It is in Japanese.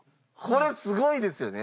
これすごいですよね。